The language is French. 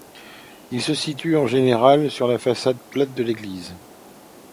Il se situe en général sur la façade plate de l'église.